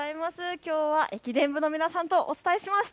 きょうは駅伝部の皆さんとお伝えしました。